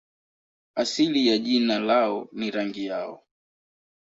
Asili ya jina lao ni rangi yao.